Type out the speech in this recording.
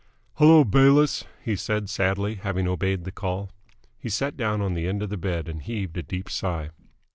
"Hello, Bayliss!" he said sadly, having obeyed the call. He sat down on the end of the bed and heaved a deep sigh.